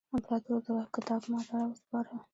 امپراطور دا کتاب ماته را وسپاره.